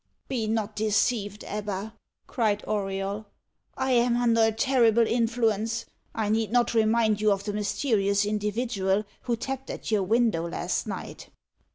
"Be not deceived, Ebba," cried Auriol. "I am under a terrible influence. I need not remind you of the mysterious individual who tapped at your window last night."